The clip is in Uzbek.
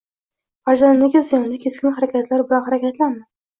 Farzandingiz yonida keskin harakatlar bilan harakatlanmang.